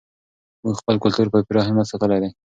موږ خپل کلتور په پوره همت ساتلی دی.